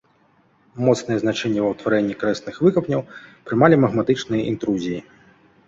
Моцнае значэнне ва ўтварэнні карысных выкапняў прымалі магматычныя інтрузіі.